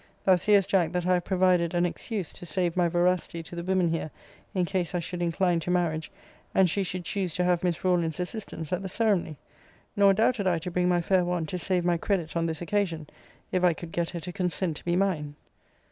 Thou seest, Jack, that I have provided an excuse, to save my veracity to the women here, in case I should incline to marriage, and she should choose to have Miss Rawlins's assistance at the ceremony. Nor doubted I to bring my fair one to save my credit on this occasion, if I could get her to consent to be mine.